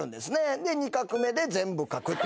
で２画目で全部書くっていうね。